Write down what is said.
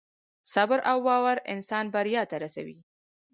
صبر او باور انسان بریا ته رسوي.